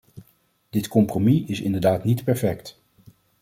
Dit compromis is inderdaad niet perfect.